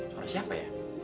suara siapa ya